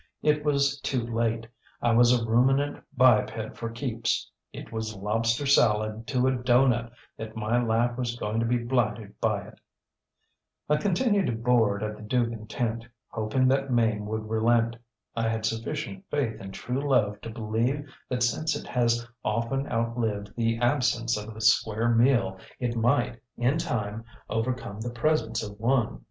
It was too late. I was a ruminant biped for keeps. It was lobster salad to a doughnut that my life was going to be blighted by it. ŌĆ£I continued to board at the Dugan tent, hoping that Mame would relent. I had sufficient faith in true love to believe that since it has often outlived the absence of a square meal it might, in time, overcome the presence of one.